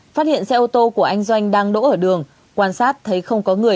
phát hiện xe ô tô của anh doanh đang đỗ ở đường quan sát thấy không có người